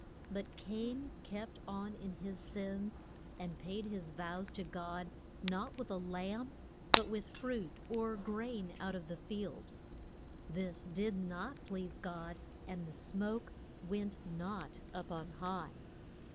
But Cain kept on in his sins, and paid his vows to God not with a lamb, but with fruit or grain out of the field. This did not please God, and the smoke went not up on high.